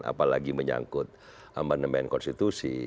apalagi menyangkut amandemen konstitusi